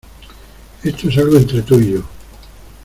Esto es algo entre tú y yo.